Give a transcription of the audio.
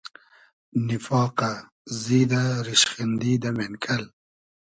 نیفاقۂ ، زیدۂ ، ریشخیندی دۂ مېنکئل